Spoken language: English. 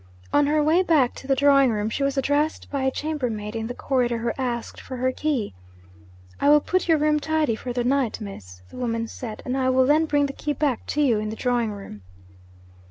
On her way back to the drawing room she was addressed by a chambermaid in the corridor who asked for her key. 'I will put your room tidy for the night, Miss,' the woman said, 'and I will then bring the key back to you in the drawing room.'